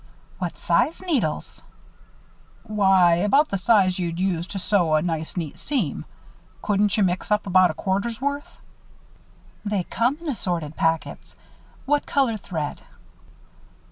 "What size needles?" "Why about the size you'd use to sew a nice neat seam. Couldn't you mix up about a quarter's worth?" "They come in assorted packets. What colored thread?"